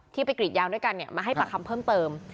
ที่ไปกรีดยาวด้วยกันเนี่ยมาให้ปากคำเพิ่มเติม